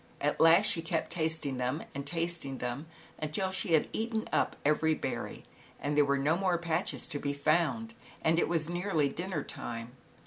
At last she kept tasting them and tasting them, until she had eaten up every berry and there were no more patches to be found, and it was nearly dinner time.